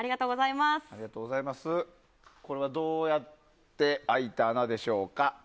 これはどうやって開いた穴でしょうか。